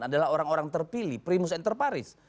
adalah orang orang terpilih primus interparis